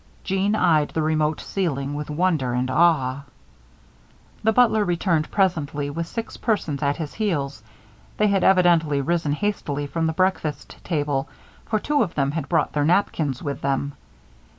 Jeanne eyed the remote ceiling with wonder and awe. The butler returned presently with six persons at his heels. They had evidently risen hastily from the breakfast table, for two of them had brought their napkins with them.